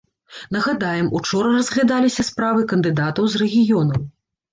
Нагадаем, учора разглядаліся справы кандыдатаў з рэгіёнаў.